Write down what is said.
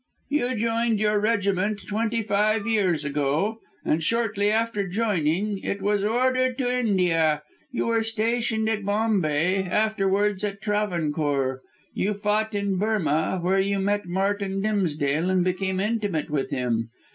"You joined your regiment twenty five years ago, and shortly after joining it was ordered to India. You were stationed at Bombay, afterwards at Travancore. You fought in Burmah, where you met Martin Dimsdale, and became intimate with him.